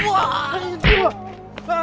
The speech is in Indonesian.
wah ini dia